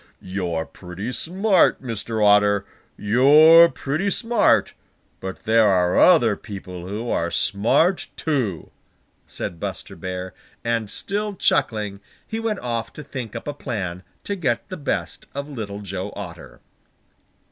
"You're pretty smart, Mr. Otter! You're pretty smart, but there are other people who are smart too," said Buster Bear, and still chuckling, he went off to think up a plan to get the best of Little Joe Otter.